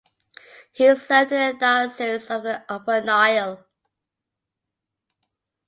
He served in the Diocese of the Upper Nile.